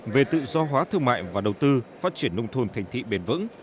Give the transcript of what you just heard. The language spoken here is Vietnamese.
về tự do hóa thương mại và đầu tư phát triển nông thôn thành thị bền vững